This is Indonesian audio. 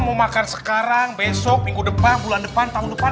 mau makan sekarang besok minggu depan bulan depan tahun depan